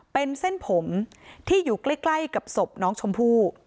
เป็นเส้นผมที่อยู่ใกล้กับศพน้องชมพู่